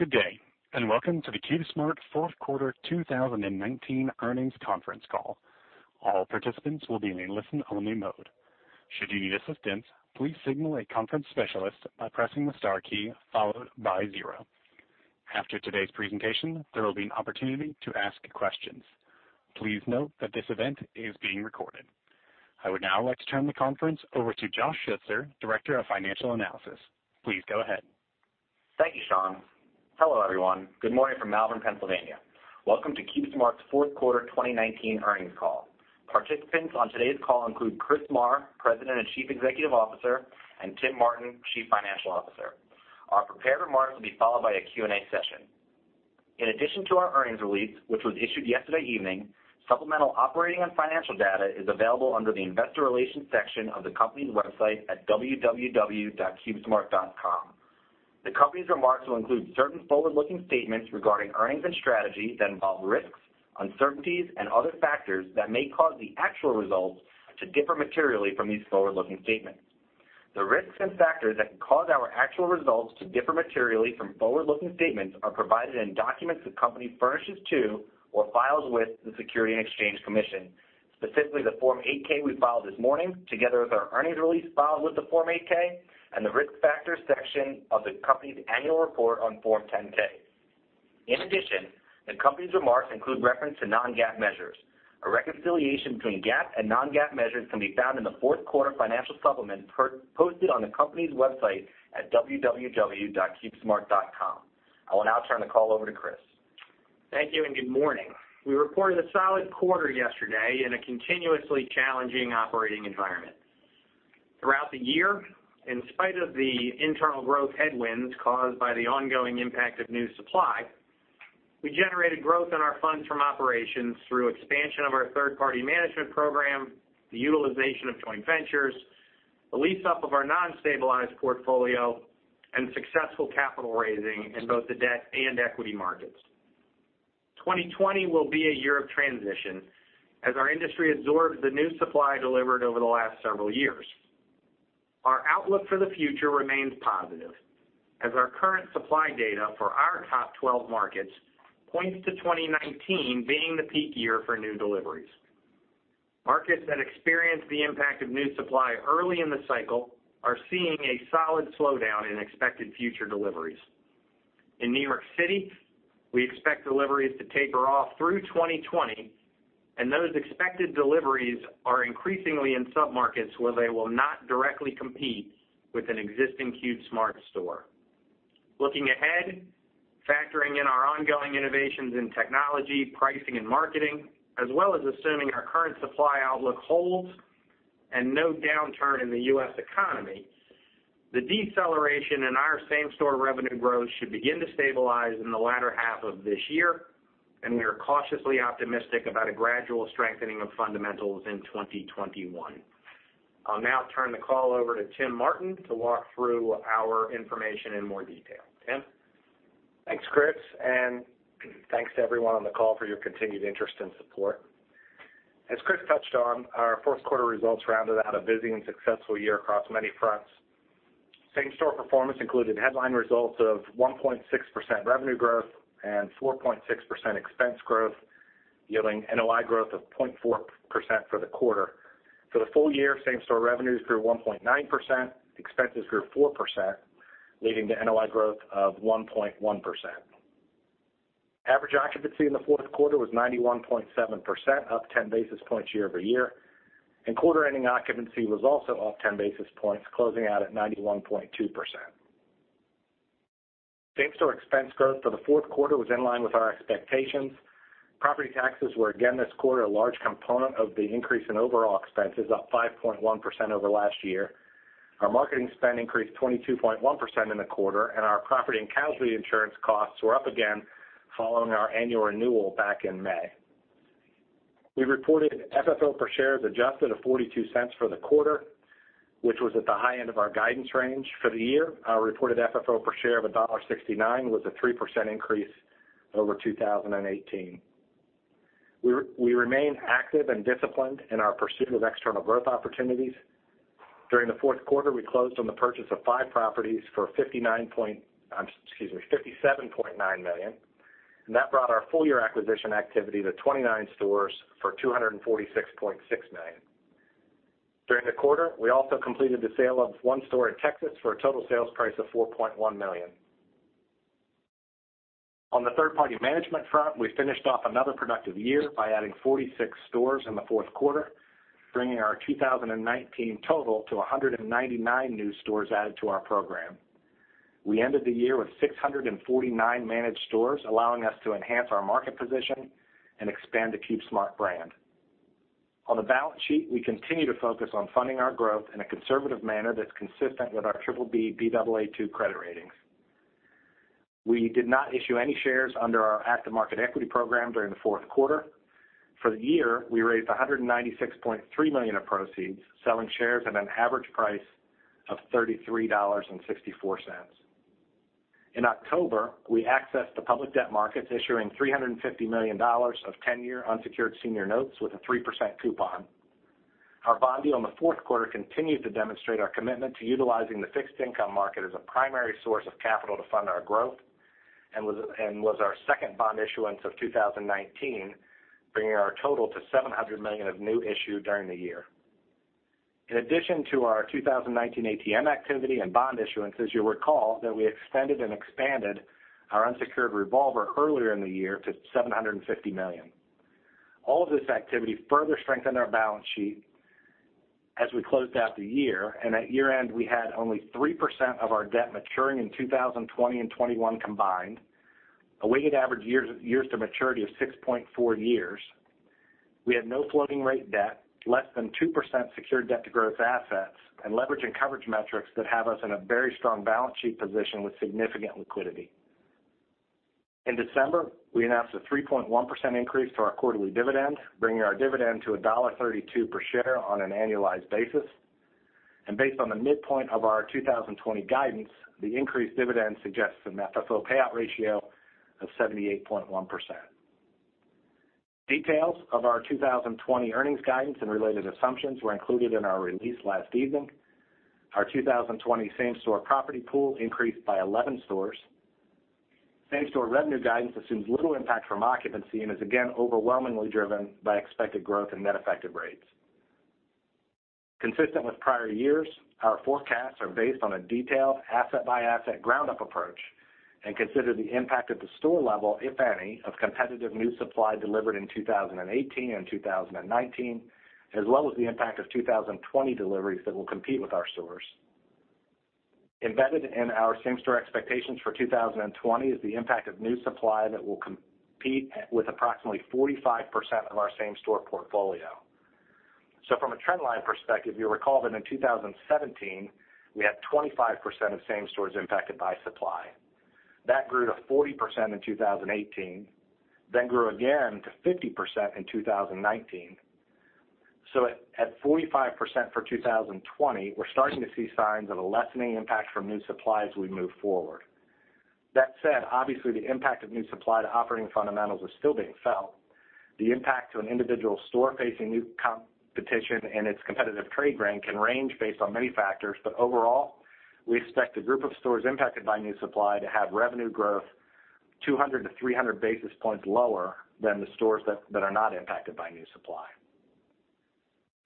Good day, and welcome to the CubeSmart fourth quarter 2019 earnings conference call. All participants will be in a listen-only mode. Should you need assistance, please signal a conference specialist by pressing the star key followed by zero. After today's presentation, there will be an opportunity to ask questions. Please note that this event is being recorded. I would now like to turn the conference over to Josh Schutzer, Director of Financial Analysis. Please go ahead. Thank you, Sean. Hello, everyone. Good morning from Malvern, Pennsylvania. Welcome to CubeSmart's fourth quarter 2019 earnings call. Participants on today's call include Chris Marr, President and Chief Executive Officer, and Tim Martin, Chief Financial Officer. Our prepared remarks will be followed by a Q&A session. In addition to our earnings release, which was issued yesterday evening, supplemental operating and financial data is available under the investor relations section of the company's website at www.cubesmart.com. The company's remarks will include certain forward-looking statements regarding earnings and strategy that involve risks, uncertainties, and other factors that may cause the actual results to differ materially from these forward-looking statements. The risks and factors that can cause our actual results to differ materially from forward-looking statements are provided in documents the company furnishes to or files with the Securities and Exchange Commission, specifically the Form 8-K we filed this morning, together with our earnings release filed with the Form 8-K and the Risk Factors section of the company's annual report on Form 10-K. In addition, the company's remarks include reference to non-GAAP measures. A reconciliation between GAAP and non-GAAP measures can be found in the fourth quarter financial supplement posted on the company's website at www.cubesmart.com. I will now turn the call over to Chris. Thank you and good morning. We reported a solid quarter yesterday in a continuously challenging operating environment. Throughout the year, in spite of the internal growth headwinds caused by the ongoing impact of new supply, we generated growth in our funds from operations through expansion of our third-party management program, the utilization of joint ventures, the lease up of our non-stabilized portfolio, and successful capital raising in both the debt and equity markets. 2020 will be a year of transition as our industry absorbs the new supply delivered over the last several years. Our outlook for the future remains positive, as our current supply data for our top 12 markets points to 2019 being the peak year for new deliveries. Markets that experienced the impact of new supply early in the cycle are seeing a solid slowdown in expected future deliveries. In New York City, we expect deliveries to taper off through 2020, and those expected deliveries are increasingly in submarkets where they will not directly compete with an existing CubeSmart store. Looking ahead, factoring in our ongoing innovations in technology, pricing, and marketing, as well as assuming our current supply outlook holds and no downturn in the U.S. economy, the deceleration in our same-store revenue growth should begin to stabilize in the latter half of this year, and we are cautiously optimistic about a gradual strengthening of fundamentals in 2021. I'll now turn the call over to Tim Martin to walk through our information in more detail. Tim? Thanks, Chris, and thanks to everyone on the call for your continued interest and support. As Chris touched on, our fourth quarter results rounded out a busy and successful year across many fronts. Same-store performance included headline results of 1.6% revenue growth and 4.6% expense growth, yielding NOI growth of 0.4% for the quarter. For the full year, same-store revenues grew 1.9%, expenses grew 4%, leading to NOI growth of 1.1%. Average occupancy in the fourth quarter was 91.7%, up 10 basis points year-over-year, and quarter-ending occupancy was also up 10 basis points, closing out at 91.2%. Same-store expense growth for the fourth quarter was in line with our expectations. Property taxes were again this quarter a large component of the increase in overall expenses, up 5.1% over last year. Our marketing spend increased 22.1% in the quarter, and our property and casualty insurance costs were up again following our annual renewal back in May. We reported FFO per share is adjusted to $0.42 for the quarter, which was at the high end of our guidance range for the year. Our reported FFO per share of $1.69 was a 3% increase over 2018. We remain active and disciplined in our pursuit of external growth opportunities. During the fourth quarter, we closed on the purchase of five properties for $57.9 million, and that brought our full-year acquisition activity to 29 stores for $246.6 million. During the quarter, we also completed the sale of one store in Texas for a total sales price of $4.1 million. On the third-party management front, we finished off another productive year by adding 46 stores in the fourth quarter, bringing our 2019 total to 199 new stores added to our program. We ended the year with 649 managed stores, allowing us to enhance our market position and expand the CubeSmart brand. On the balance sheet, we continue to focus on funding our growth in a conservative manner that's consistent with our BBB/Baa2 credit ratings. We did not issue any shares under our active market equity program during the fourth quarter. For the year, we raised $196.3 million of proceeds, selling shares at an average price of $33.64. In October, we accessed the public debt markets, issuing $350 million of 10-year unsecured senior notes with a 3% coupon. Our bond deal in the fourth quarter continued to demonstrate our commitment to utilizing the fixed income market as a primary source of capital to fund our growth, and was our second bond issuance of 2019, bringing our total to $700 million of new issue during the year. In addition to our 2019 ATM activity and bond issuance, as you'll recall, that we extended and expanded our unsecured revolver earlier in the year to $750 million. All of this activity further strengthened our balance sheet as we closed out the year. At year-end, we had only 3% of our debt maturing in 2020 and 2021 combined, a weighted average years to maturity of 6.4 years. We had no floating rate debt, less than 2% secured debt to gross assets, and leverage and coverage metrics that have us in a very strong balance sheet position with significant liquidity. In December, we announced a 3.1% increase to our quarterly dividend, bringing our dividend to $1.32 per share on an annualized basis. Based on the midpoint of our 2020 guidance, the increased dividend suggests a FFO payout ratio of 78.1%. Details of our 2020 earnings guidance and related assumptions were included in our release last evening. Our 2020 same-store property pool increased by 11 stores. Same-store revenue guidance assumes little impact from occupancy and is again overwhelmingly driven by expected growth in net effective rates. Consistent with prior years, our forecasts are based on a detailed asset-by-asset ground-up approach and consider the impact at the store level, if any, of competitive new supply delivered in 2018 and 2019, as well as the impact of 2020 deliveries that will compete with our stores. Embedded in our same-store expectations for 2020 is the impact of new supply that will compete with approximately 45% of our same-store portfolio. From a trend line perspective, you'll recall that in 2017, we had 25% of same stores impacted by supply. That grew to 40% in 2018, then grew again to 50% in 2019. At 45% for 2020, we're starting to see signs of a lessening impact from new supply as we move forward. That said, obviously, the impact of new supply to operating fundamentals is still being felt. The impact to an individual store facing new competition and its competitive trade brand can range based on many factors, but overall, we expect a group of stores impacted by new supply to have revenue growth 200 to 300 basis points lower than the stores that are not impacted by new supply.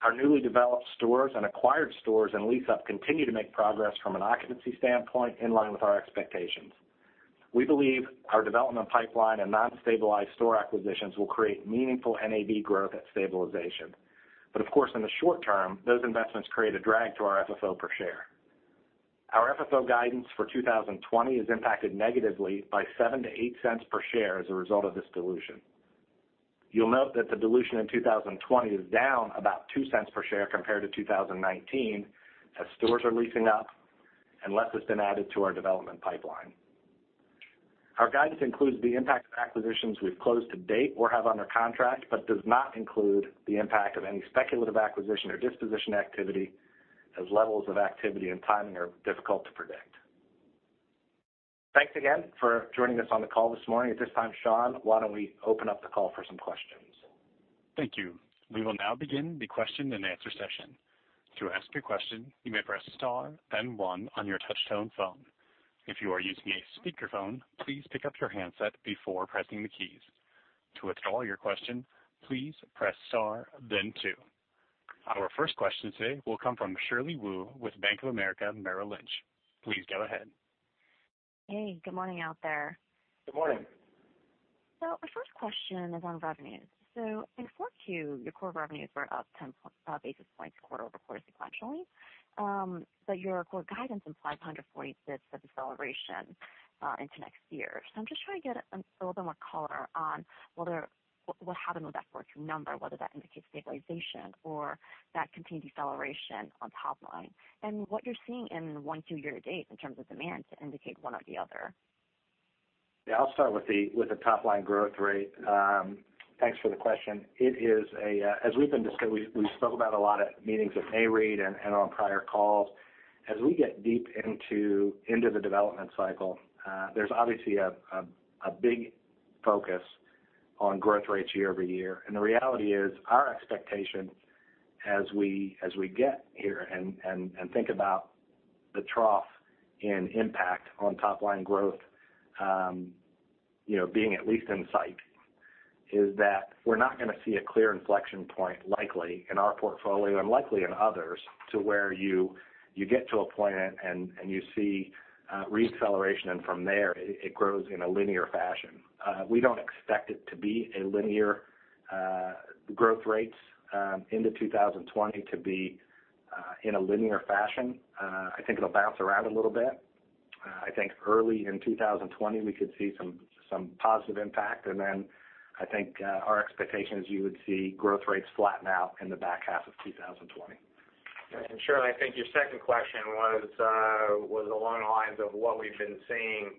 Our newly developed stores and acquired stores and lease up continue to make progress from an occupancy standpoint, in line with our expectations. We believe our development pipeline and non-stabilized store acquisitions will create meaningful NAV growth at stabilization. Of course, in the short term, those investments create a drag to our FFO per share. Our FFO guidance for 2020 is impacted negatively by $0.07-$0.08 per share as a result of this dilution. You'll note that the dilution in 2020 is down about $0.02 per share compared to 2019, as stores are leasing up and less has been added to our development pipeline. Our guidance includes the impact of acquisitions we've closed to date or have under contract, but does not include the impact of any speculative acquisition or disposition activity, as levels of activity and timing are difficult to predict. Thanks again for joining us on the call this morning. At this time, Sean, why don't we open up the call for some questions? Thank you. We will now begin the question and answer session. To ask your question, you may press star, then one on your touch-tone phone. If you are using a speakerphone, please pick up your handset before pressing the keys. To withdraw your question, please press star, then two. Our first question today will come from Shirley Wu with Bank of America Merrill Lynch. Please go ahead. Hey, good morning out there. Good morning. My first question is on revenues. In Q4, your core revenues were up 10 basis points quarter-over-quarter sequentially, but your core guidance implies 140 basis points of deceleration into next year. I'm just trying to get a little bit more color on what happened with that Q4 number, whether that indicates stabilization or that continued deceleration on top line. What you're seeing in one, two year to date in terms of demand to indicate one or the other. Yeah, I'll start with the top-line growth rate. Thanks for the question. As we've been discussing, we spoke about a lot at meetings with Nareit and on prior calls. As we get deep into the development cycle, there's obviously a big focus on growth rates year-over-year. The reality is our expectation as we get here and think about the trough in impact on top-line growth being at least in sight, is that we're not going to see a clear inflection point likely in our portfolio and likely in others, to where you get to a point and you see re-acceleration and from there, it grows in a linear fashion. We don't expect it to be a linear growth rates into 2020 to be in a linear fashion. I think it'll bounce around a little bit. I think early in 2020, we could see some positive impact, and then I think our expectation is you would see growth rates flatten out in the back half of 2020. Shirley, I think your second question was along the lines of what we've been seeing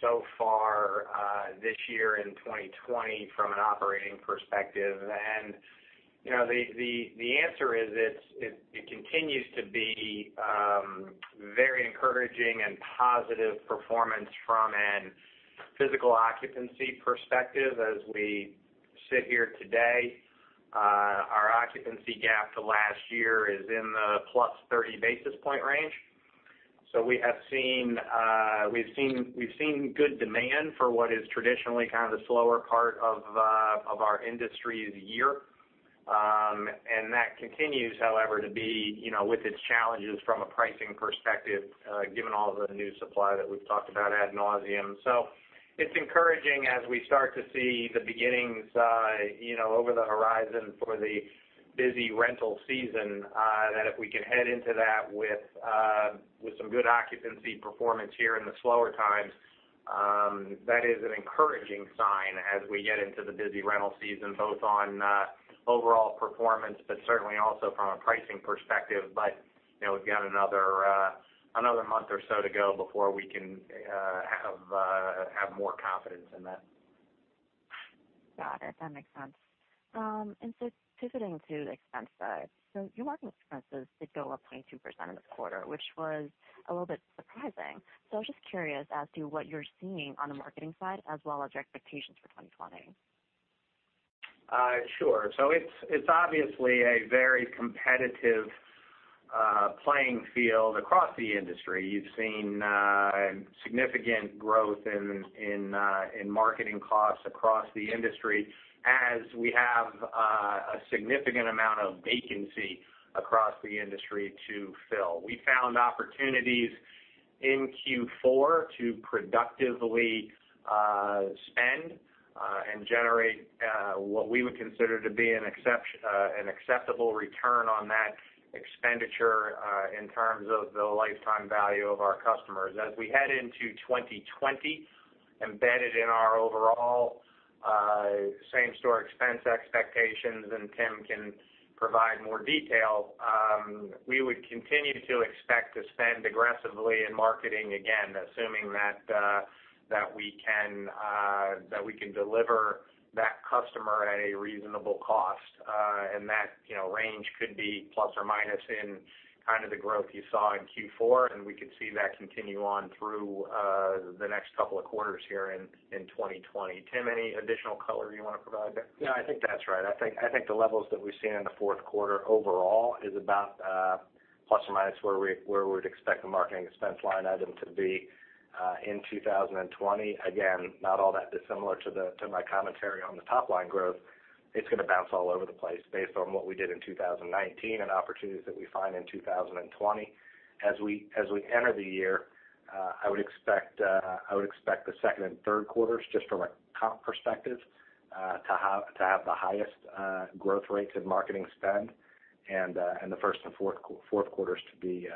so far this year in 2020 from an operating perspective. The answer is it continues to be very encouraging and positive performance from a physical occupancy perspective as we sit here today, our occupancy gap to last year is in the plus 30 basis point range. We've seen good demand for what is traditionally kind of the slower part of our industry's year. That continues, however, to be with its challenges from a pricing perspective, given all the new supply that we've talked about ad nauseam. It's encouraging as we start to see the beginnings over the horizon for the busy rental season, that if we can head into that with some good occupancy performance here in the slower times, that is an encouraging sign as we get into the busy rental season, both on overall performance, but certainly also from a pricing perspective. We've got another month or so to go before we can have more confidence in that. Got it. That makes sense. Pivoting to the expense side, so your marketing expenses did go up 22% in this quarter, which was a little bit surprising. I was just curious as to what you're seeing on the marketing side, as well as your expectations for 2020. Sure. It's obviously a very competitive playing field across the industry. You've seen significant growth in marketing costs across the industry as we have a significant amount of vacancy across the industry to fill. We found opportunities in Q4 to productively spend and generate what we would consider to be an acceptable return on that expenditure in terms of the lifetime value of our customers. As we head into 2020, embedded in our overall same-store expense expectations, and Tim can provide more detail, we would continue to expect to spend aggressively in marketing again, assuming that we can deliver that customer at a reasonable cost. That range could be plus or minus in kind of the growth you saw in Q4, and we could see that continue on through the next couple of quarters here in 2020. Tim, any additional color you want to provide there? Yeah, I think that's right. I think the levels that we've seen in the fourth quarter overall is about plus, minus where we'd expect the marketing expense line item to be in 2020. Again, not all that dissimilar to my commentary on the top-line growth. It's going to bounce all over the place based on what we did in 2019 and opportunities that we find in 2020. As we enter the year, I would expect the second and third quarters, just from a comp perspective, to have the highest growth rates in marketing spend, and the first and fourth quarters to be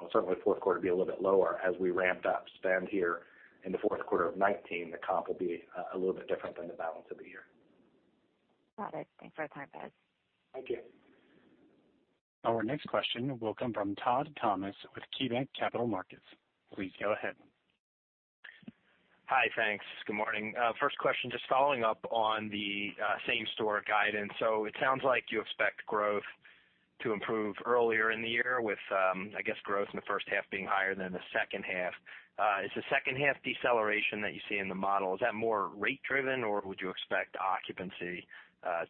Well, certainly fourth quarter will be a little bit lower as we ramped up spend here in the fourth quarter of 2019. The comp will be a little bit different than the balance of the year. Got it. Thanks for the time, guys. Thank you. Our next question will come from Todd Thomas with KeyBanc Capital Markets. Please go ahead. Hi, thanks. Good morning. First question, just following up on the same-store guidance. It sounds like you expect growth to improve earlier in the year with, I guess, growth in the first half being higher than the second half. Is the second half deceleration that you see in the model, is that more rate driven, or would you expect occupancy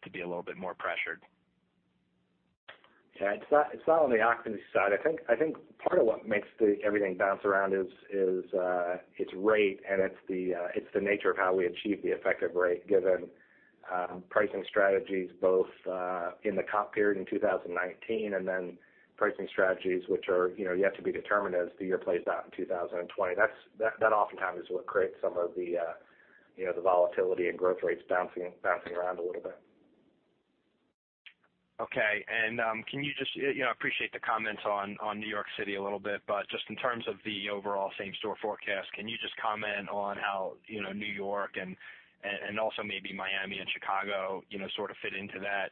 to be a little bit more pressured? Yeah, it's not on the occupancy side. I think part of what makes everything bounce around is its rate, and it's the nature of how we achieve the effective rate given pricing strategies both in the comp period in 2019 and then pricing strategies which are yet to be determined as the year plays out in 2020. That oftentimes is what creates some of the volatility in growth rates bouncing around a little bit. Okay. I appreciate the comments on New York City a little bit. Just in terms of the overall same-store forecast, can you just comment on how New York and also maybe Miami and Chicago sort of fit into that?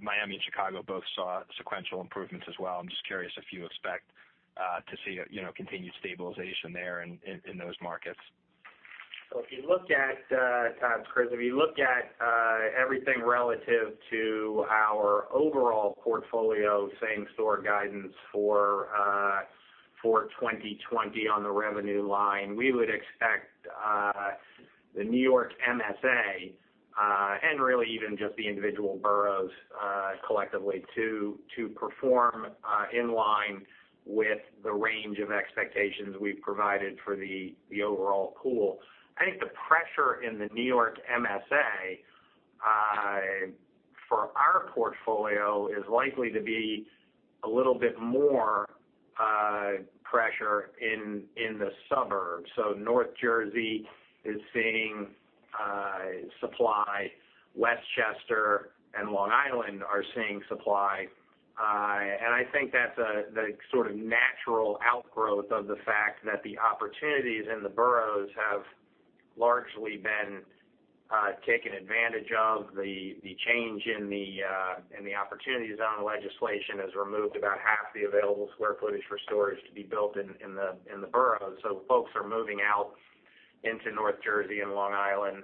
Miami and Chicago both saw sequential improvements as well. I'm just curious if you expect to see continued stabilization there in those markets. If you look at, Todd, if you look at everything relative to our overall portfolio same-store guidance for 2020 on the revenue line, we would expect the New York MSA, and really even just the individual boroughs collectively, to perform in line with the range of expectations we've provided for the overall pool. I think the pressure in the New York MSA, for our portfolio, is likely to be a little bit more pressure in the suburbs. North Jersey is seeing supply. Westchester and Long Island are seeing supply. I think that's the sort of natural outgrowth of the fact that the opportunities in the boroughs have largely been taken advantage of. The change in the opportunities on the legislation has removed about half the available square footage for storage to be built in the boroughs. Folks are moving out into North Jersey and Long Island.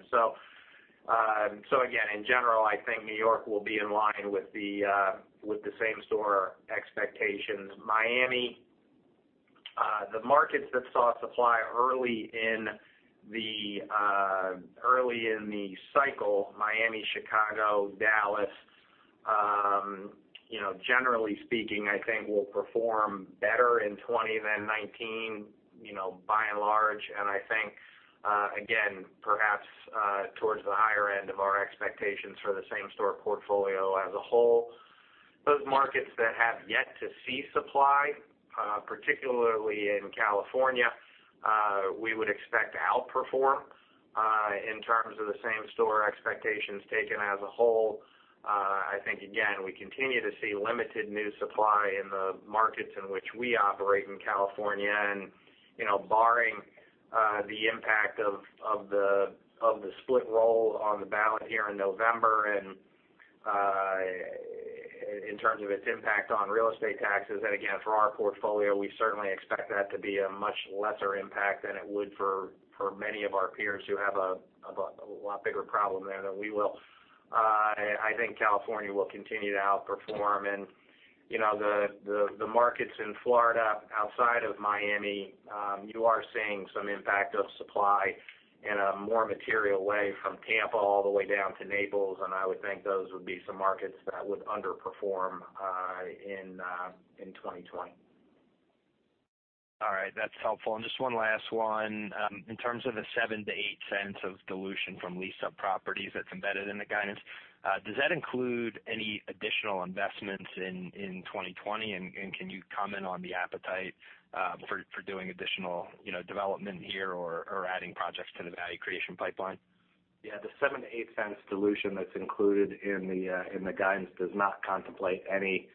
Again, in general, I think New York will be in line with the same-store expectations. Miami, the markets that saw supply early in the cycle, Miami, Chicago, Dallas, generally speaking, I think will perform better in 2020 than 2019, by and large, and I think, again, perhaps towards the higher end of our expectations for the same-store portfolio as a whole. Those markets that have yet to see supply, particularly in California, we would expect to outperform in terms of the same-store expectations taken as a whole. I think, again, we continue to see limited new supply in the markets in which we operate in California, barring the impact of the split roll on the ballot here in November, and in terms of its impact on real estate taxes. For our portfolio, we certainly expect that to be a much lesser impact than it would for many of our peers who have a lot bigger problem there than we will. I think California will continue to outperform. The markets in Florida outside of Miami, you are seeing some impact of supply in a more material way from Tampa all the way down to Naples, and I would think those would be some markets that would underperform in 2020. All right. That's helpful. Just one last one. In terms of the $0.07-$0.08 of dilution from lease-up properties that's embedded in the guidance, does that include any additional investments in 2020? Can you comment on the appetite for doing additional development here or adding projects to the value creation pipeline? Yeah. The $0.07-$0.08 dilution that's included in the guidance does not contemplate any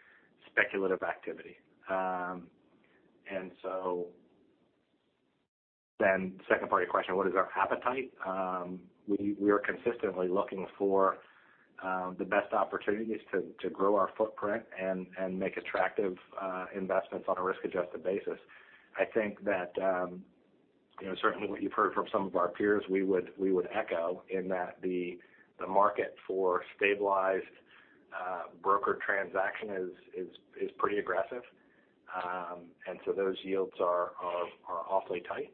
speculative activity. Second part of your question, what is our appetite? We are consistently looking for the best opportunities to grow our footprint and make attractive investments on a risk-adjusted basis. I think that, certainly what you've heard from some of our peers, we would echo in that the market for stabilized broker transaction is pretty aggressive. Those yields are awfully tight.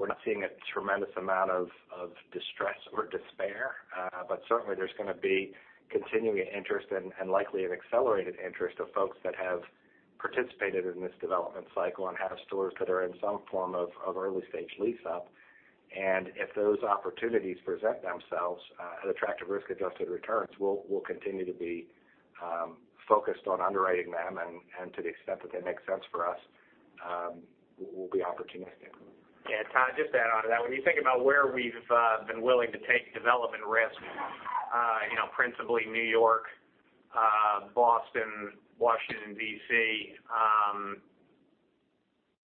We're not seeing a tremendous amount of distress or despair. Certainly, there's going to be continuing interest and likely an accelerated interest of folks that have participated in this development cycle and have stores that are in some form of early-stage lease-up. If those opportunities present themselves at attractive risk-adjusted returns, we'll continue to be focused on underwriting them, and to the extent that they make sense for us, we'll be opportunistic. Yeah. Todd, just to add onto that, when you think about where we've been willing to take development risk, principally New York, Boston, Washington D.C.,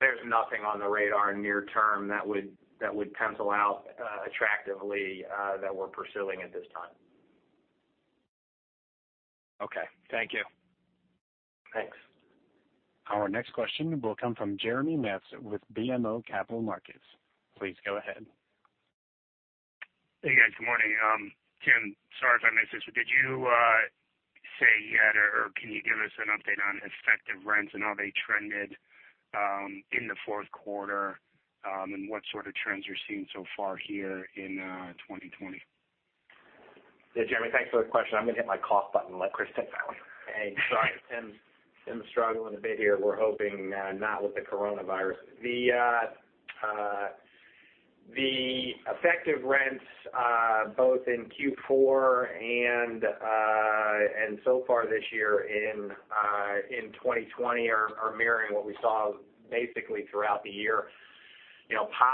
there's nothing on the radar near term that would pencil out attractively that we're pursuing at this time. Okay. Thank you. Thanks. Our next question will come from Jeremy Metz with BMO Capital Markets. Please go ahead. Hey, guys. Good morning. Tim, sorry if I missed this, but did you say yet, or can you give us an update on effective rents and how they trended in the fourth quarter, and what sort of trends you're seeing so far here in 2020? Yeah, Jeremy, thanks for the question. I'm going to hit my cough button and let Chris take that one. Hey, sorry, Tim. Tim's struggling a bit here. We're hoping not with the coronavirus. The effective rents, both in Q4 and so far this year in 2020, are mirroring what we saw basically throughout the year.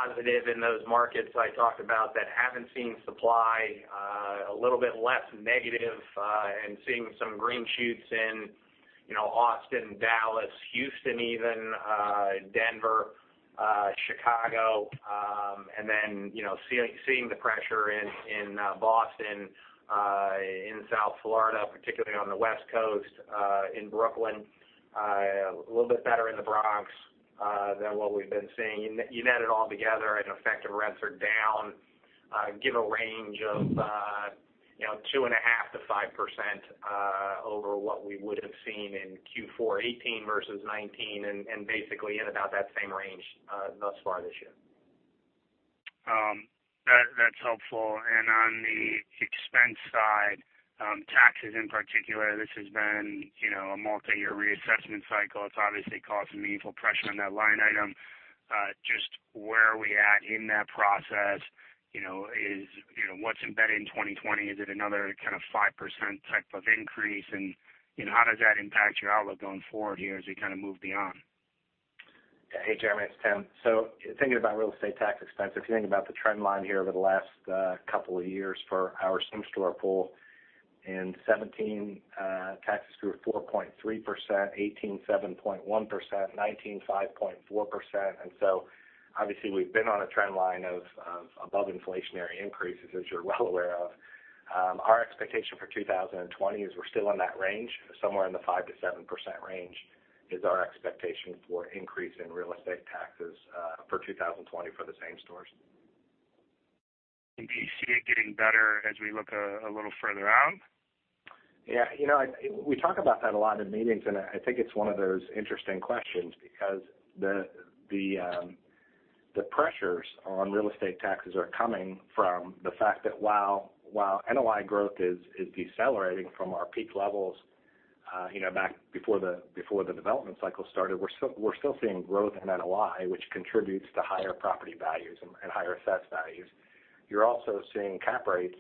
Positive in those markets I talked about that haven't seen supply, a little bit less negative and seeing some green shoots in Austin, Dallas, Houston even, Denver, Chicago. Seeing the pressure in Boston, in South Florida, particularly on the West Coast, in Brooklyn. A little bit better in the Bronx than what we've been seeing. You net it all together and effective rents are down. Give a range of 2.5%-5% over what we would have seen in Q4 2018 versus 2019, and basically in about that same range thus far this year. That's helpful. On the expense side, taxes in particular, this has been a multi-year reassessment cycle. It's obviously caused some meaningful pressure on that line item. Just where are we at in that process? What's embedded in 2020? Is it another kind of 5% type of increase? How does that impact your outlook going forward here as we kind of move beyond? Hey, Jeremy, it's Tim. Thinking about real estate tax expense, if you think about the trend line here over the last couple of years for our same-store pool, in 2017, taxes grew 4.3%, 2018 7.1%, 2019 5.4%. Obviously we've been on a trend line of above-inflationary increases, as you're well aware of. Our expectation for 2020 is we're still in that range. Somewhere in the 5%-7% range is our expectation for increase in real estate taxes for 2020 for the same stores. Do you see it getting better as we look a little further out? Yeah. We talk about that a lot in meetings. I think it's one of those interesting questions because the pressures on real estate taxes are coming from the fact that while NOI growth is decelerating from our peak levels back before the development cycle started, we're still seeing growth in NOI, which contributes to higher property values and higher assessed values. You're also seeing cap rates.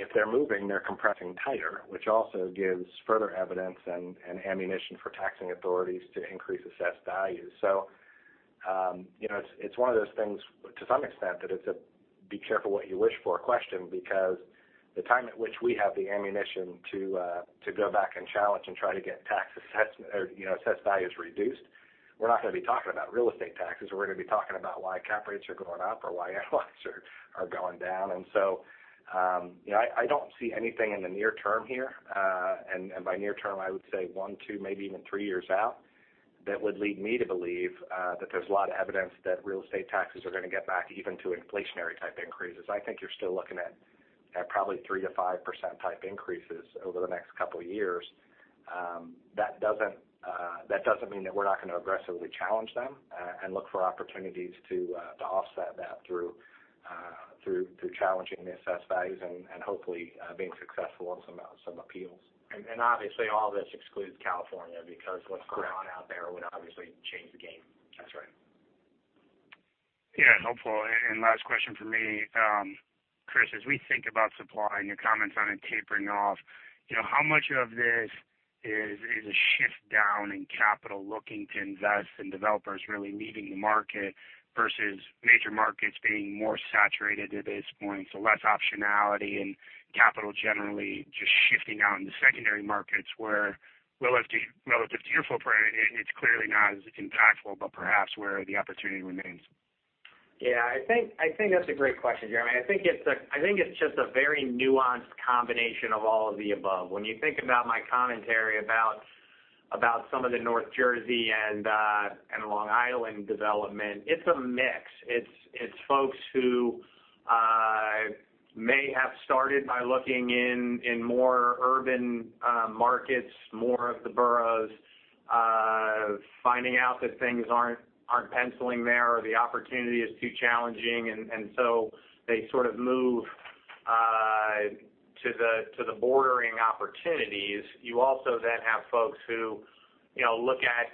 If they're moving, they're compressing tighter, which also gives further evidence and ammunition for taxing authorities to increase assessed values. It's one of those things, to some extent, that it's a be careful what you wish for question, because the time at which we have the ammunition to go back and challenge and try to get tax assessed values reduced, we're not going to be talking about real estate taxes. We're going to be talking about why cap rates are going up or why NOIs are going down. I don't see anything in the near term here. By near term, I would say one, two, maybe even three years out, that would lead me to believe that there's a lot of evidence that real estate taxes are going to get back even to inflationary type increases. I think you're still looking at probably 3%-5% type increases over the next couple of years. That doesn't mean that we're not going to aggressively challenge them, and look for opportunities to offset that through challenging the assessed values and hopefully, being successful on some appeals. Obviously, all this excludes California because. Correct What's going on out there would obviously change the game. That's right. Yeah, helpful. Last question from me. Chris, as we think about supply and your comments on it tapering off, how much of this is a shift down in capital looking to invest, and developers really leaving the market versus major markets being more saturated at this point, so less optionality and capital generally just shifting out into secondary markets where relative to your footprint, it's clearly not as impactful, but perhaps where the opportunity remains. Yeah, I think that's a great question, Jeremy. I think it's just a very nuanced combination of all of the above. When you think about my commentary about some of the North Jersey and Long Island development, it's a mix. It's folks who may have started by looking in more urban markets, more of the boroughs, finding out that things aren't penciling there, or the opportunity is too challenging, and so they sort of move to the bordering opportunities. You also then have folks who look at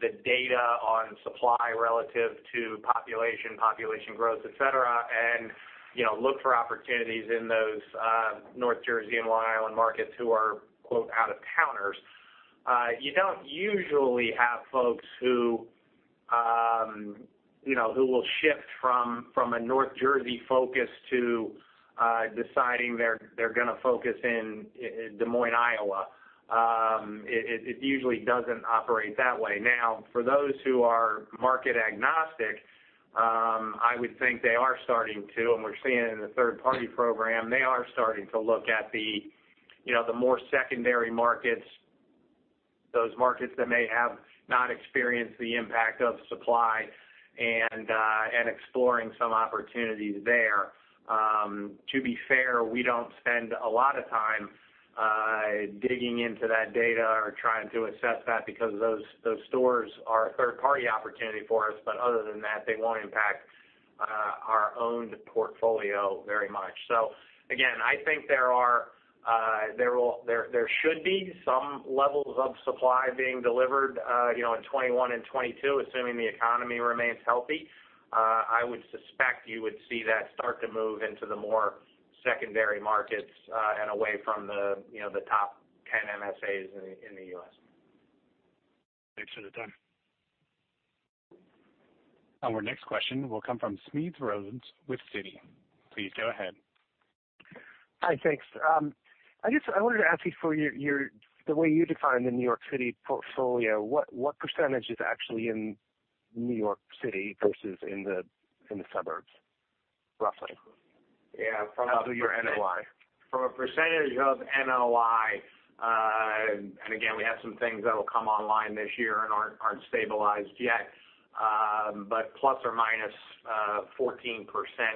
the data on supply relative to population growth, et cetera, and look for opportunities in those North Jersey and Long Island markets who are, quote, "out of towners." You don't usually have folks who will shift from a North Jersey focus to deciding they're going to focus in Des Moines, Iowa. It usually doesn't operate that way. Now, for those who are market agnostic, I would think they are starting to, and we're seeing it in the third-party program. They are starting to look at the more secondary markets, those markets that may have not experienced the impact of supply, and exploring some opportunities there. To be fair, we don't spend a lot of time digging into that data or trying to assess that because those stores are a third-party opportunity for us, but other than that, they won't impact our owned portfolio very much. Again, I think there should be some levels of supply being delivered in 2021 and 2022, assuming the economy remains healthy. I would suspect you would see that start to move into the more secondary markets, and away from the top 10 MSAs in the U.S. Thanks for the time. Our next question will come from Smedes Rose with Citi. Please go ahead. Hi, thanks. I guess I wanted to ask you for the way you define the New York City portfolio, what percentage is actually in New York City versus in the suburbs, roughly? Yeah. Of your NOI. From a percentage of NOI, again, we have some things that'll come online this year and aren't stabilized yet. ±14%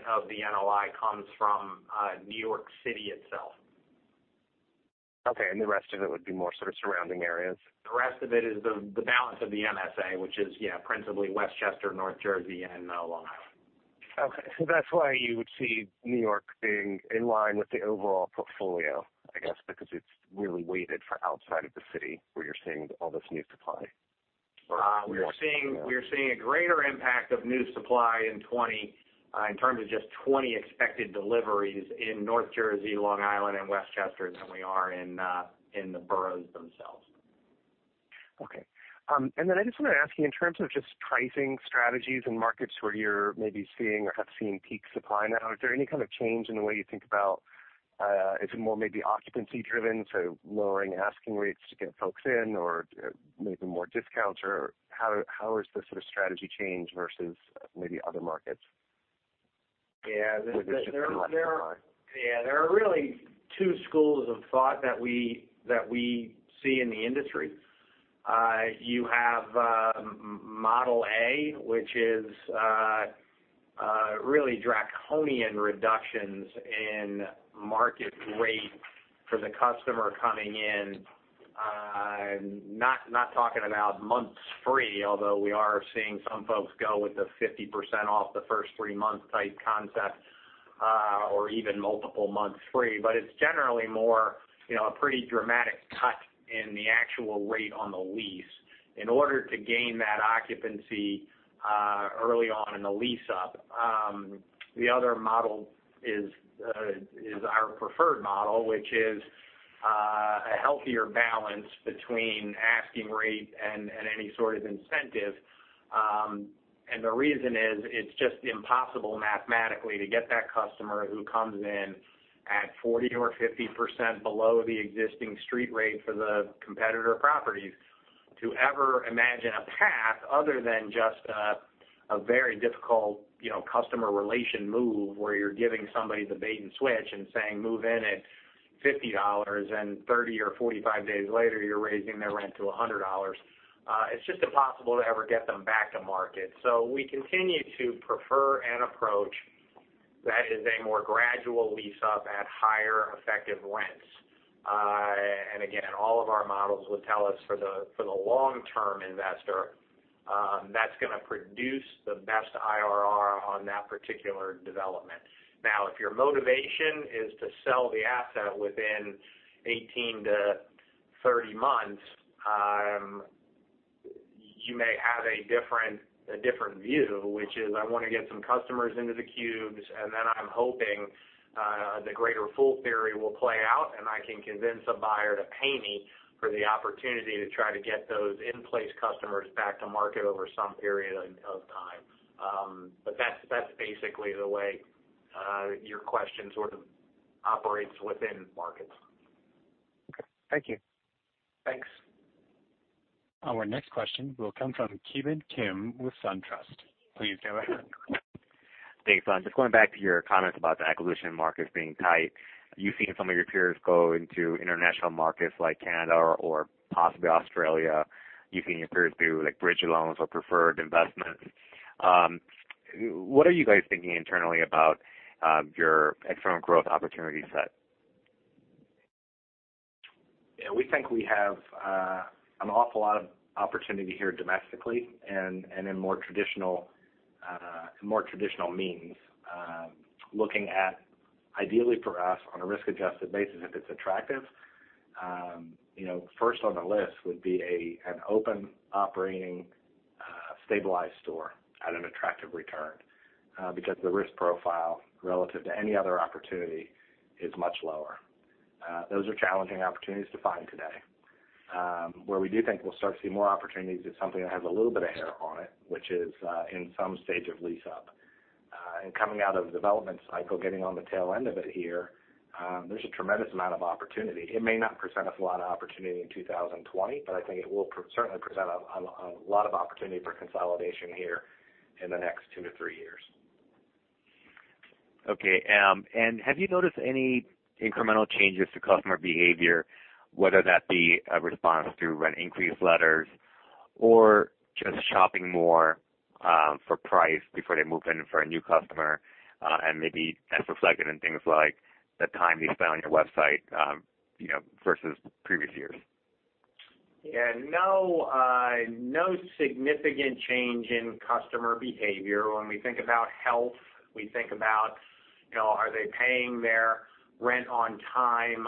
of the NOI comes from New York City itself. Okay, the rest of it would be more sort of surrounding areas. The rest of it is the balance of the MSA, which is, yeah, principally Westchester, North Jersey, and Long Island. Okay. That's why you would see New York being in line with the overall portfolio, I guess, because it's really weighted for outside of the city where you're seeing all this new supply. We're seeing a greater impact of new supply in terms of just 2020 expected deliveries in North Jersey, Long Island, and Westchester than we are in the boroughs themselves. Okay. Then I just wanted to ask you in terms of just pricing strategies in markets where you're maybe seeing or have seen peak supply now, is there any kind of change in the way you think about? Is it more maybe occupancy driven, so lowering asking rates to get folks in or maybe more discounts, or how has the sort of strategy changed versus maybe other markets? Yeah. There are really two schools of thought that we see in the industry. You have model A, which is really draconian reductions in market rate for the customer coming in. Not talking about months free, although we are seeing some folks go with the 50% off the first three months type concept, or even multiple months free. It's generally more a pretty dramatic cut in the actual rate on the lease in order to gain that occupancy early on in the lease-up. The other model is our preferred model, which is a healthier balance between asking rate and any sort of incentive. The reason is, it's just impossible mathematically to get that customer who comes in at 40% or 50% below the existing street rate for the competitor properties to ever imagine a path other than just a very difficult customer relation move, where you're giving somebody the bait and switch and saying, "Move in at $50," and 30 or 45 days later, you're raising their rent to $100. It's just impossible to ever get them back to market. We continue to prefer an approach that is a more gradual lease-up at higher effective rents. Again, all of our models would tell us for the long-term investor, that's gonna produce the best IRR on that particular development. If your motivation is to sell the asset within 18 to 30 months, you may have a different view, which is, I want to get some customers into the Cubes, and then I'm hoping, the greater fool theory will play out and I can convince a buyer to pay me for the opportunity to try to get those in-place customers back to market over some period of time. That's basically the way your question sort of operates within markets. Okay. Thank you. Thanks. Our next question will come from Ki Bin Kim with SunTrust. Please go ahead. Thanks. Just going back to your comments about the acquisition markets being tight. You've seen some of your peers go into international markets like Canada or possibly Australia. You've seen your peers do bridge loans or preferred investments. What are you guys thinking internally about your external growth opportunity set? Yeah. We think we have an awful lot of opportunity here domestically and in more traditional means. Looking at ideally for us on a risk-adjusted basis, if it's attractive, first on the list would be an open, operating, stabilized store at an attractive return, because the risk profile relative to any other opportunity is much lower. Those are challenging opportunities to find today. Where we do think we'll start to see more opportunities is something that has a little bit of hair on it, which is, in some stage of lease-up. Coming out of the development cycle, getting on the tail end of it here, there's a tremendous amount of opportunity. It may not present us a lot of opportunity in 2020, but I think it will certainly present a lot of opportunity for consolidation here in the next two to three years. Okay. Have you noticed any incremental changes to customer behavior, whether that be a response to rent increase letters or just shopping more for price before they move in for a new customer, and maybe that's reflected in things like the time they spend on your website, versus previous years? Yeah. No significant change in customer behavior. When we think about health, we think about are they paying their rent on time?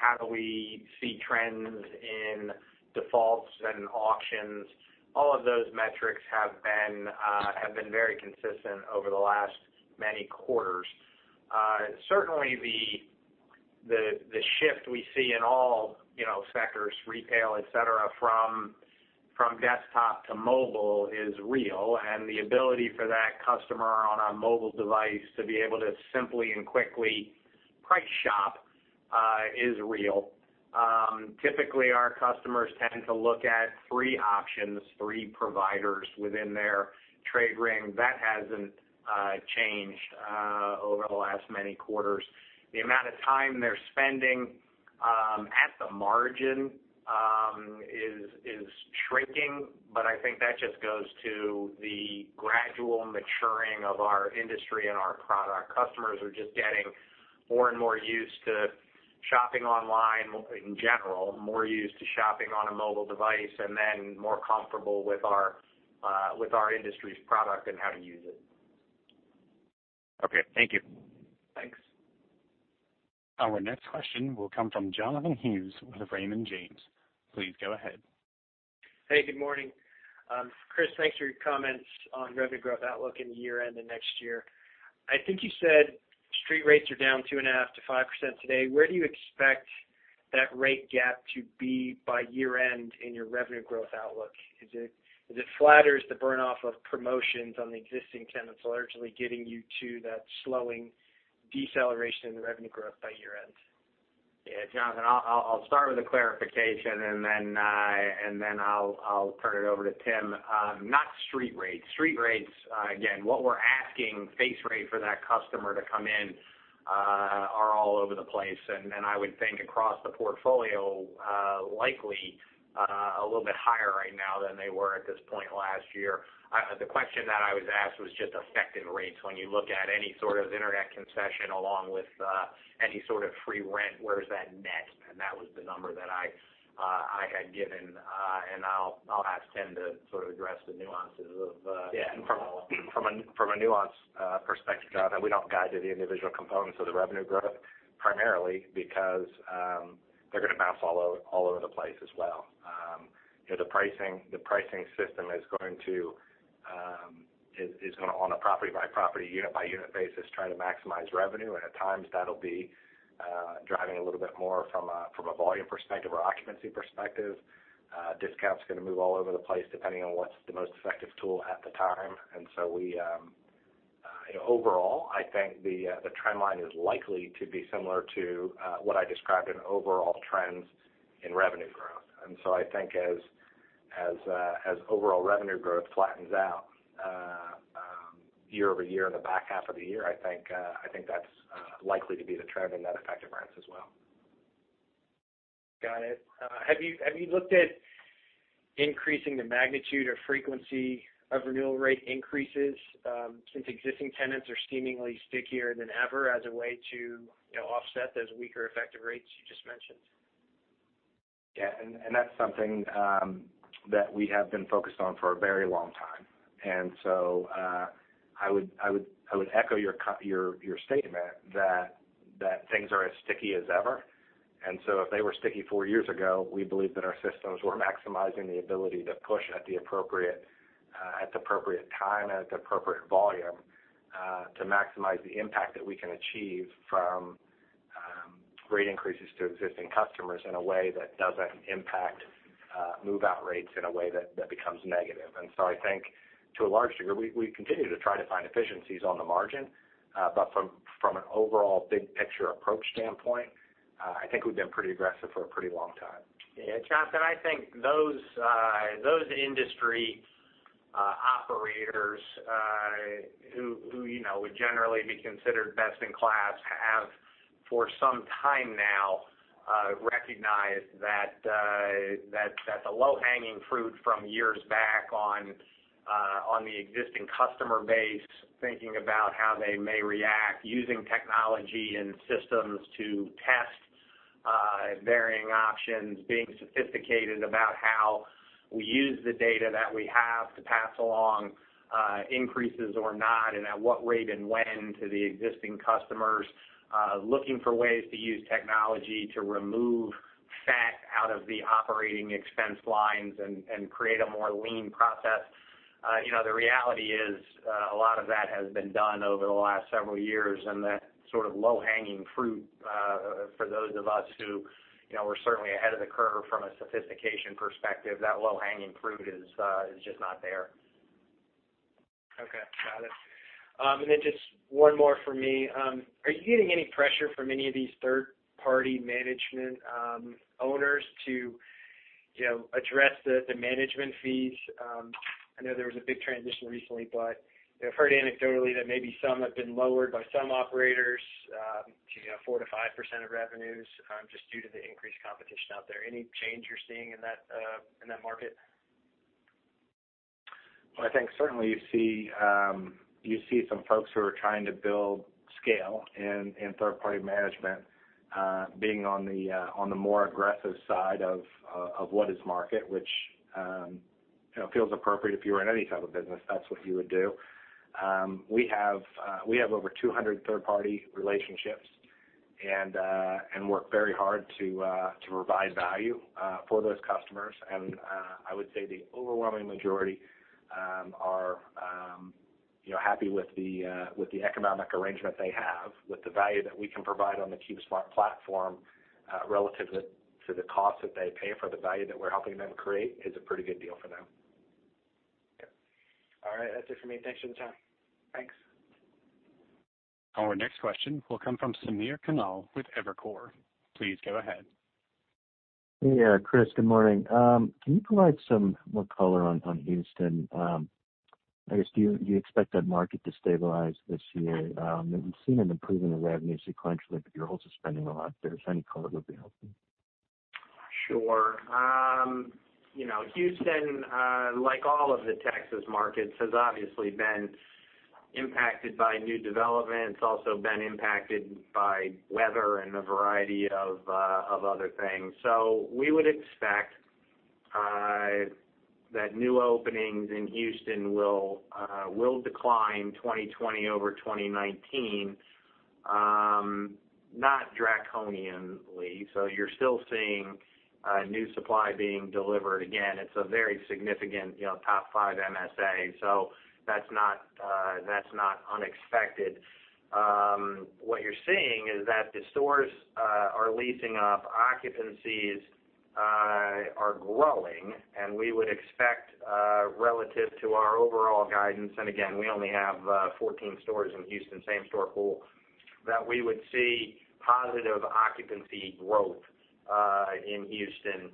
How do we see trends in defaults and auctions? All of those metrics have been very consistent over the last many quarters. The shift we see in all sectors, retail, et cetera, from desktop to mobile is real, and the ability for that customer on a mobile device to be able to simply and quickly price shop, is real. Typically, our customers tend to look at three options, three providers within their trade ring. That hasn't changed over the last many quarters. The amount of time they're spending, at the margin, is shrinking, but I think that just goes to the gradual maturing of our industry and our product. Customers are just getting more and more used to shopping online in general, more used to shopping on a mobile device, and then more comfortable with our industry's product and how to use it. Okay. Thank you. Thanks. Our next question will come from Jonathan Hughes with Raymond James. Please go ahead. Hey, good morning. Chris, thanks for your comments on revenue growth outlook in year-end and next year. I think you said street rates are down 2.5% to 5% today. Where do you expect that rate gap to be by year-end in your revenue growth outlook? Is it flat or is the burn-off of promotions on the existing tenants largely getting you to that slowing deceleration in revenue growth by year-end? Yeah, Jonathan, I'll start with a clarification, and then I'll turn it over to Tim. Not street rates. Street rates, again, what we're asking face rate for that customer to come in are all over the place. I would think across the portfolio, likely, a little bit higher right now than they were at this point last year. The question that I was asked was just effective rates. When you look at any sort of internet concession along with any sort of free rent, where's that net? That was the number that I had given, and I'll ask Tim to sort of address the nuances of. Yeah. From a nuance perspective, Jonathan, we don't guide to the individual components of the revenue growth, primarily because they're going to bounce all over the place as well. The pricing system is going to, on a property-by-property, unit-by-unit basis, try to maximize revenue. At times, that'll be driving a little bit more from a volume perspective or occupancy perspective. Discount's going to move all over the place, depending on what's the most effective tool at the time. Overall, I think the trend line is likely to be similar to what I described in overall trends in revenue growth. I think as overall revenue growth flattens out year-over-year in the back half of the year, I think that's likely to be the trend in net effective rents as well. Got it. Have you looked at increasing the magnitude or frequency of renewal rate increases, since existing tenants are seemingly stickier than ever, as a way to offset those weaker effective rates you just mentioned? Yeah, that's something that we have been focused on for a very long time. I would echo your statement that things are as sticky as ever. If they were sticky four years ago, we believe that our systems were maximizing the ability to push at the appropriate time and at the appropriate volume, to maximize the impact that we can achieve from rate increases to existing customers in a way that doesn't impact move-out rates in a way that becomes negative. I think to a large degree, we continue to try to find efficiencies on the margin. From an overall big picture approach standpoint, I think we've been pretty aggressive for a pretty long time. Yeah, Jonathan, I think those industry operators who would generally be considered best in class have, for some time now, recognized that the low-hanging fruit from years back on the existing customer base, thinking about how they may react, using technology and systems to test varying options, being sophisticated about how we use the data that we have to pass along increases or not, and at what rate and when to the existing customers. Looking for ways to use technology to remove fat out of the operating expense lines and create a more lean process. The reality is, a lot of that has been done over the last several years, and that sort of low-hanging fruit, for those of us who were certainly ahead of the curve from a sophistication perspective, that low-hanging fruit is just not there. Okay. Got it. Just one more from me. Are you getting any pressure from any of these third-party management owners to address the management fees? I know there was a big transition recently, but I've heard anecdotally that maybe some have been lowered by some operators to 4%-5% of revenues, just due to the increased competition out there. Any change you're seeing in that market? Well, I think certainly you see some folks who are trying to build scale in third-party management, being on the more aggressive side of what is market, which feels appropriate. If you were in any type of business, that's what you would do. We have over 200 third-party relationships and work very hard to provide value for those customers. I would say the overwhelming majority are happy with the economic arrangement they have, with the value that we can provide on the CubeSmart platform, relative to the cost that they pay for the value that we're helping them create, is a pretty good deal for them. Okay. All right. That's it for me. Thanks for the time. Thanks. Our next question will come from Samir Khanal with Evercore. Please go ahead. Yeah, Chris, good morning. Can you provide some more color on Houston? I guess, do you expect that market to stabilize this year? We've seen an improvement in revenue sequentially, but your folks are spending a lot there. Any color would be helpful. Sure. Houston, like all of the Texas markets, has obviously been impacted by new developments, also been impacted by weather and a variety of other things. We would expect that new openings in Houston will decline 2020 over 2019. Not draconianly, so you're still seeing new supply being delivered. Again, it's a very significant top five MSA, so that's not unexpected. What you're seeing is that the stores are leasing up. Occupancies are growing, and we would expect, relative to our overall guidance, and again, we only have 14 stores in Houston, same-store pool, that we would see positive occupancy growth in Houston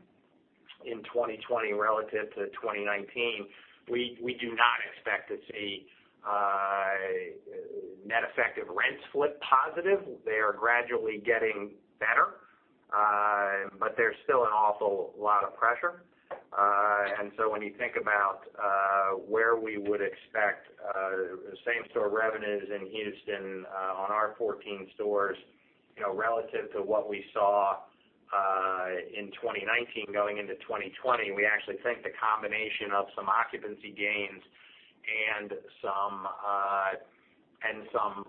in 2020 relative to 2019. We do not expect to see net effective rents flip positive. They are gradually getting better, but there's still an awful lot of pressure. When you think about where we would expect same-store revenues in Houston on our 14 stores, relative to what we saw in 2019 going into 2020, we actually think the combination of some occupancy gains and some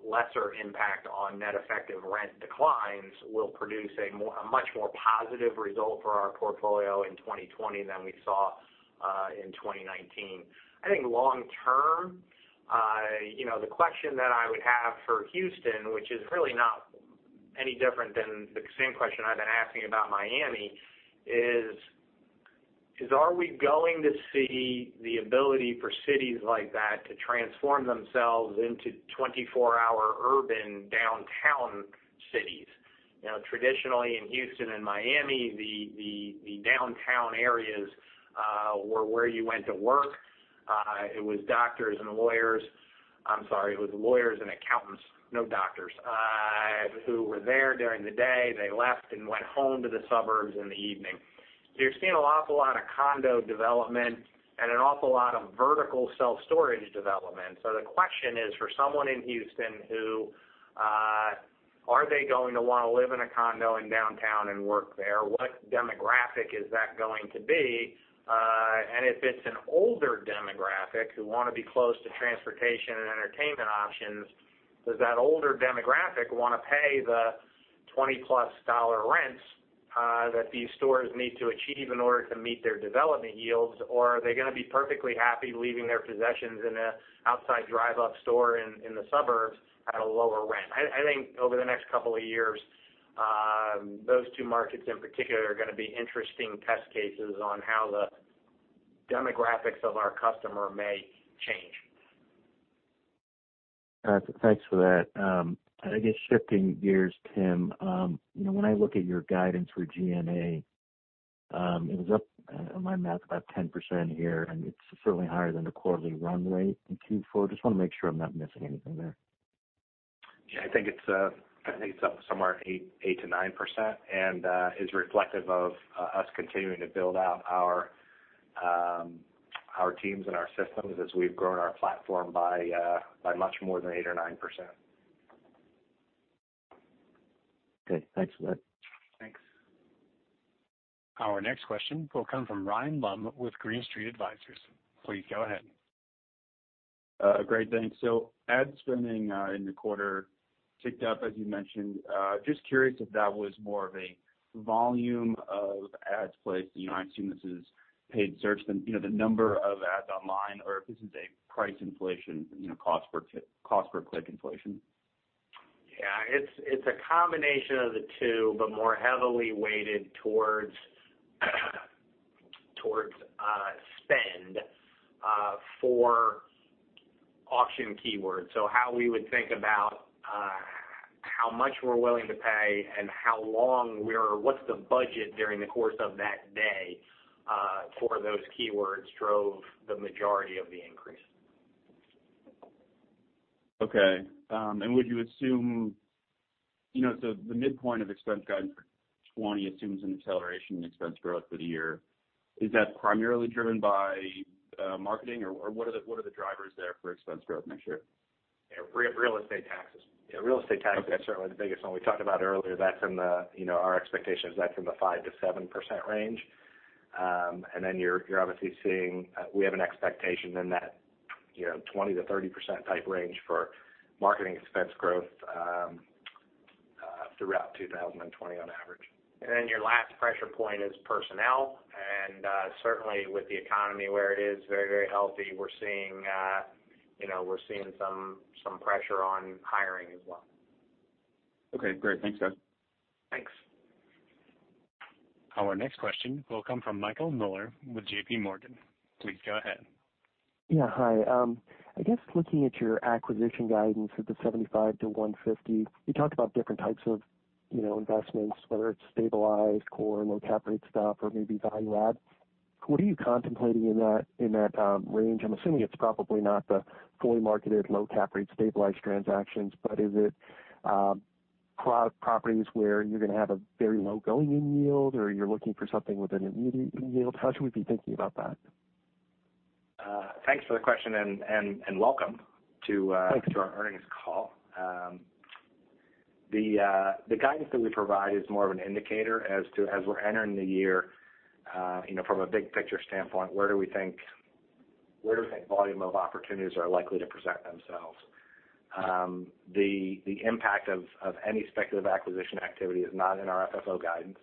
lesser impact on net effective rent declines will produce a much more positive result for our portfolio in 2020 than we saw in 2019. I think long term, the question that I would have for Houston, which is really not any different than the same question I've been asking about Miami is, are we going to see the ability for cities like that to transform themselves into 24-hour urban downtown cities? Traditionally, in Houston and Miami, the downtown areas were where you went to work. It was doctors and lawyers I'm sorry, it was lawyers and accountants, no doctors, who were there during the day. They left and went home to the suburbs in the evening. You're seeing an awful lot of condo development and an awful lot of vertical self-storage development. The question is for someone in Houston who, are they going to want to live in a condo in downtown and work there? What demographic is that going to be? If it's an older demographic who want to be close to transportation and entertainment options, does that older demographic want to pay the $20+ rents that these stores need to achieve in order to meet their development yields? Are they going to be perfectly happy leaving their possessions in an outside drive up store in the suburbs at a lower rent? I think over the next couple of years, those two markets in particular are going to be interesting test cases on how the demographics of our customer may change. Thanks for that. I guess shifting gears, Tim, when I look at your guidance for G&A, it was up on my math about 10% here, and it's certainly higher than the quarterly run rate in Q4. Just want to make sure I'm not missing anything there. I think it's up somewhere 8%-9% and is reflective of us continuing to build out our teams and our systems as we've grown our platform by much more than 8% or 9%. Good. Thanks for that. Thanks. Our next question will come from Ryan Lumb with Green Street Advisors. Please go ahead. Great. Thanks. Ad spending in the quarter ticked up as you mentioned. Just curious if that was more of a volume of ads placed. I assume this is paid search, the number of ads online, or if this is a price inflation, cost per click inflation. Yeah. It's a combination of the two, but more heavily weighted towards spend for auction keywords. How we would think about how much we're willing to pay, and What's the budget during the course of that day for those keywords drove the majority of the increase. Okay. Would you assume the midpoint of expense guidance for 2020 assumes an acceleration in expense growth for the year. Is that primarily driven by marketing or what are the drivers there for expense growth next year? Real estate taxes. Real estate taxes. Okay. That's certainly the biggest one. We talked about earlier, our expectation is that's in the 5%-7% range. You're obviously seeing we have an expectation in that 20%-30%-type range for marketing expense growth throughout 2020 on average. Your last pressure point is personnel, and certainly with the economy where it is very, very healthy, we're seeing some pressure on hiring as well. Okay, great. Thanks, guys. Thanks. Our next question will come from Michael Mueller with JPMorgan. Please go ahead. Yeah. Hi. I guess looking at your acquisition guidance at the $75-$150, you talked about different types of investments, whether it's stabilized, core, low cap rate stuff or maybe value add. What are you contemplating in that range? I'm assuming it's probably not the fully marketed low cap rate stabilized transactions, but is it properties where you're going to have a very low going-in yield or you're looking for something with an immediate yield? How should we be thinking about that? Thanks for the question and welcome. Thanks To our earnings call. The guidance that we provide is more of an indicator as to, as we're entering the year, from a big picture standpoint, where do we think volume of opportunities are likely to present themselves. The impact of any speculative acquisition activity is not in our FFO guidance.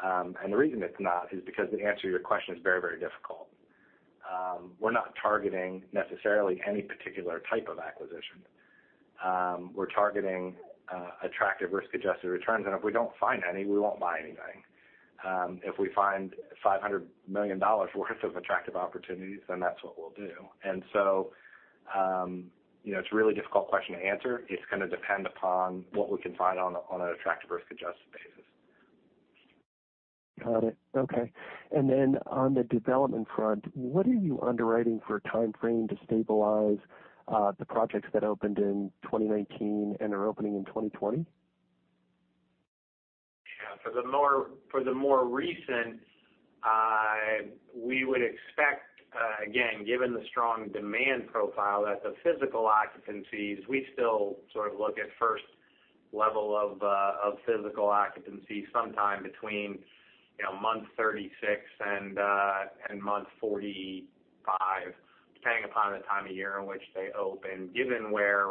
The reason it's not is because the answer to your question is very, very difficult. We're not targeting necessarily any particular type of acquisition. We're targeting attractive risk-adjusted returns, and if we don't find any, we won't buy anything. If we find $500 million worth of attractive opportunities, then that's what we'll do. It's a really difficult question to answer. It's going to depend upon what we can find on an attractive risk-adjusted basis. Got it. Okay. Then on the development front, what are you underwriting for a timeframe to stabilize the projects that opened in 2019 and are opening in 2020? Yeah. For the more recent, we would expect, again, given the strong demand profile, that the physical occupancies, we still sort of look at first level of physical occupancy sometime between month 36 and month 45, depending upon the time of year in which they open, given where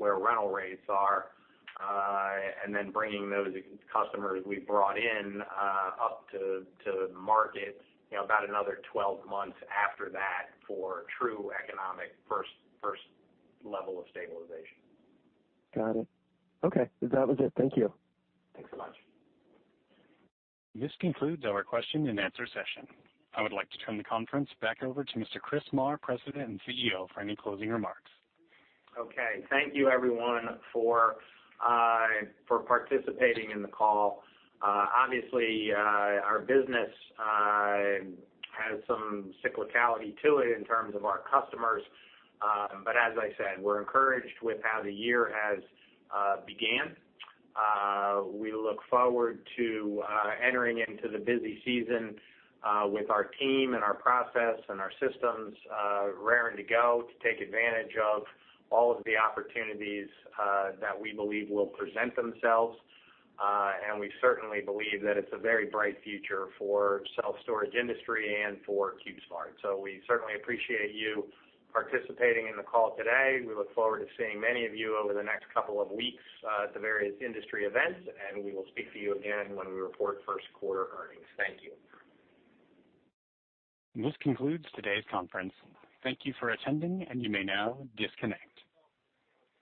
rental rates are, and then bringing those customers we've brought in up to market, about another 12 months after that for true economic first level of stabilization. Got it. Okay. That was it. Thank you. Thanks so much. This concludes our question and answer session. I would like to turn the conference back over to Mr. Chris Marr, President and CEO, for any closing remarks. Okay. Thank you everyone for participating in the call. Obviously, our business has some cyclicality to it in terms of our customers. As I said, we're encouraged with how the year has began. We look forward to entering into the busy season with our team and our process and our systems raring to go to take advantage of all of the opportunities that we believe will present themselves. We certainly believe that it's a very bright future for self-storage industry and for CubeSmart. We certainly appreciate you participating in the call today. We look forward to seeing many of you over the next couple of weeks at the various industry events, and we will speak to you again when we report first quarter earnings. Thank you. This concludes today's conference. Thank you for attending, and you may now disconnect.